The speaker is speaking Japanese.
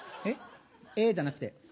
「えっ？」じゃなくて。